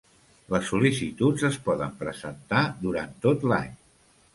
Les sol·licituds es poden presentar durant tot l'any.